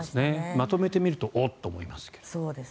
まとめてみるとおっと思いますけれど。